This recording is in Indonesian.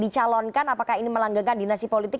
dicalonkan apakah ini melanggengkan dinasti politik